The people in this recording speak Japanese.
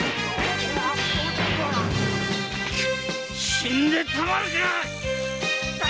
死んでたまるか！